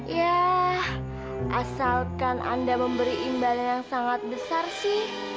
ya asalkan anda memberi imbal yang sangat besar sih